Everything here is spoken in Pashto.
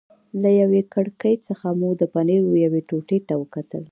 له یوې کړکۍ څخه مو د پنیرو یوې ټوټې ته وکتل.